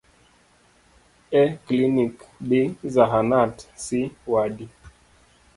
A. klinik B. zahanat C. wadi